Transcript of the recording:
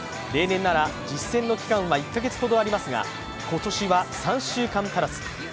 例年なら、実戦の期間は１カ月ほどありますが今年は３週間足らず。